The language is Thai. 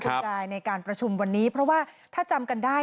คุณยายในการประชุมวันนี้เพราะว่าถ้าจำกันได้